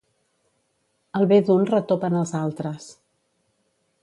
El bé d'un retopa en els altres.